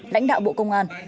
lãnh đạo bộ công an